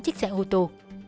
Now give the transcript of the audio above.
chiếc xe ô tô